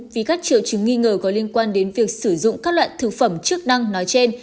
vì các triệu chứng nghi ngờ có liên quan đến việc sử dụng các loại thực phẩm chức năng nói trên